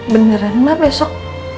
beneran mah besok